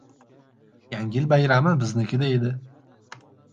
Yangi yil bayrami biznikida edi.